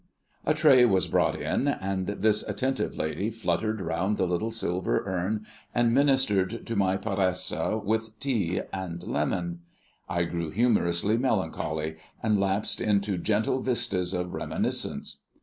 A tray was brought in, and this attentive lady fluttered round the little silver urn, and ministered to my paresse with tea and lemon. I grew humorously melancholy, and lapsed into gentle vistas of reminiscence.